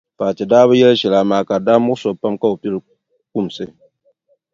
Fati daa bi yɛli shɛli amaa ka di muɣisi o pam ka o pili kumsi.